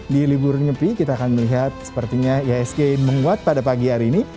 di libur nyepi kita akan melihat sepertinya ihsg menguat pada pagi hari ini